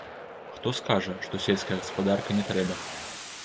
Хто скажа, што сельская гаспадарка не трэба?!